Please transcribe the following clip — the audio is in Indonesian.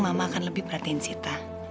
mama akan lebih perhatiin sita